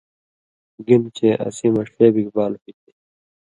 گِنہۡ چے اسی مہ ݜے بِگ بال ہُوئ تھی